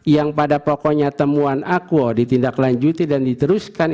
yang pada pokoknya temuan akuo ditindaklanjuti dan diteruskan